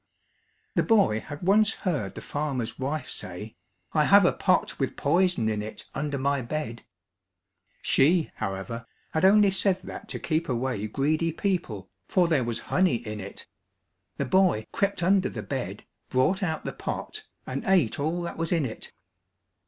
The boy had once heard the farmer's wife say, "I have a pot with poison in it under my bed." She, however, had only said that to keep away greedy people, for there was honey in it. The boy crept under the bed, brought out the pot, and ate all that was in it.